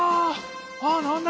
あっなんだ？